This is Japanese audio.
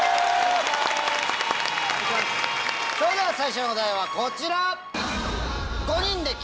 それでは最初のお題はこちら！